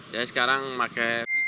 saya sekarang pakai